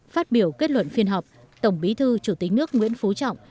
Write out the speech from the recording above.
phát biểu kết luận phiên họp tổng bí thư chủ tịch nước nguyễn phú trọng